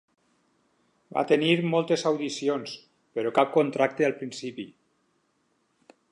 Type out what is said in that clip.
Va tenir moltes audicions però cap contracte al principi.